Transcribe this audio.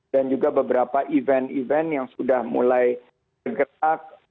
dan juga beberapa event event yang sudah mulai bergerak